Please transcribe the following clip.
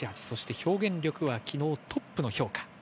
表現力は昨日トップの評価。